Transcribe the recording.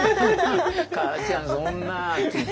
「母ちゃんそんな」って。